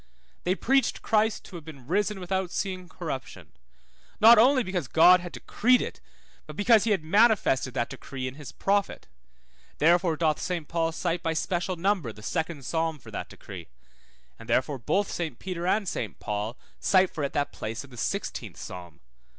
2020 Acts 2:31; 13:35. They preached Christ to have been risen without seeing corruption, not only because God had decreed it, but because he had manifested that decree in his prophet, therefore doth Saint Paul cite by special number the second Psalm for that decree, and therefore both Saint Peter and Saint Paul cite for it that place in the sixteenth Psalm; 2121 Ver.